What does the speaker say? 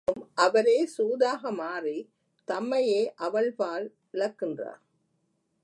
இருந்தும், அவரே சூதாக மாறி, தம்மையே அவள்பால் இழக்கின்றார்.